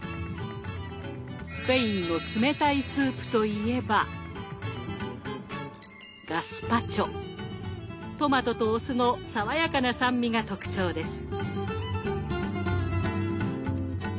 スペインの冷たいスープといえばトマトとお酢の爽やかな酸味が特徴です。